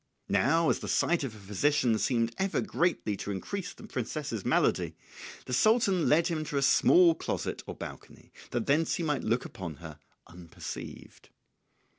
Now as the sight of a physician seemed ever greatly to increase the princess's malady, the Sultan led him to a small closet or balcony, that thence he might look upon her unperceived.